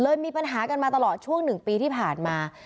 มีปัญหากันมาตลอดช่วง๑ปีที่ผ่านมา